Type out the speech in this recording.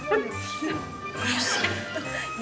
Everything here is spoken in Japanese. おいしい。